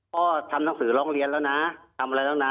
ทำหนังสือร้องเรียนแล้วนะทำอะไรแล้วนะ